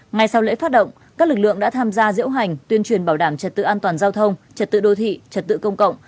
ngay sau lễ phát động các lực lượng đã tham gia diễu hành tuyên truyền bảo đảm trật tự an toàn giao thông trật tự đô thị trật tự công cộng